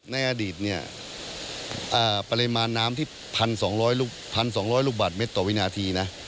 ในอดีตเนี่ยปริมาณน้ำที่๑๒๐๐ลูกบาทเมตรต่อวินาทีนะ